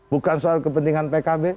bukan soal kepentingan pkb